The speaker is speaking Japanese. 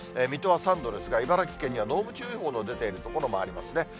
水戸は３度ですが、茨城県には濃霧注意報の出ている所もありますね。